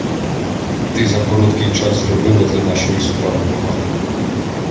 Ти за короткий час зробила для нашої справи багато.